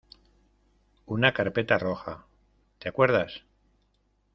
una carpeta roja. ¿ te acuerdas?